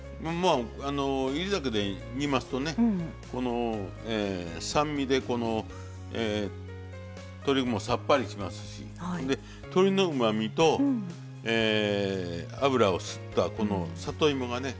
煎り酒で煮ますとね酸味で鶏もさっぱりしますし鶏のうまみと油を吸った里芋がね